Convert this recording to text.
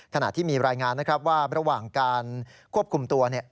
ขณะที่มีรายงานนะครับว่าระหว่างการควบคุมตัวเนี่ย